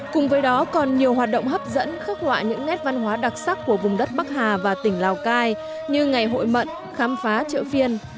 cùng với đó còn nhiều hoạt động hấp dẫn khắc họa những nét văn hóa đặc sắc của vùng đất bắc hà và tỉnh lào cai như ngày hội mận khám phá chợ phiên